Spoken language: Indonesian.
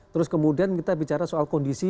terus kemudian kita bicara soal kondisi